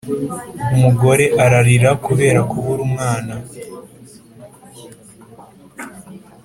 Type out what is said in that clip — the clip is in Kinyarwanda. Umugore aralira kubera kubura umwana